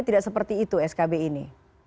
tidak seperti itu skb ini